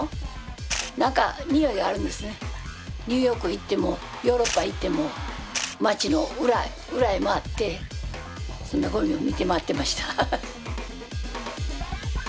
ニューヨーク行ってもヨーロッパ行っても街の裏へ回ってそんなゴミを見て回ってました。